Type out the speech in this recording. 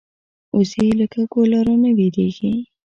وزې له کږو لارو نه وېرېږي